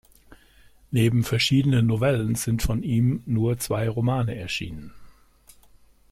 Neben verschiedenen Novellen sind von ihm nur zwei Romane erschienen.